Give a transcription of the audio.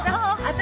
私